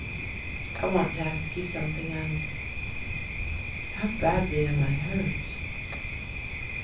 "I want to ask you something else. How badly am I hurt?"